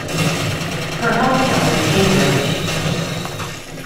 Her home town is Cambridge.